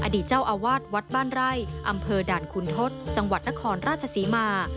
อดีตเจ้าอาวาสวัดบ้านไร่อำเภอด่านคุณทศจังหวัดนครราชศรีมา